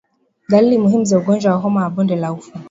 Dalili muhimu za ugonjwa wa homa ya bonde la ufa